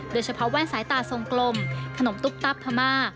โดยเฉพาะแว่นสายตาทรงกลมขนมตุ๊บตับธรรมา